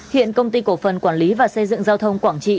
hiện công ty cổ phần quản lý và xây dựng giao thông quảng trị